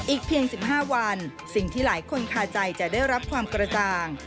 อีกเพียง๑๕วันสิ่งที่หลายคนคาใจจะได้รับความกระจ่าง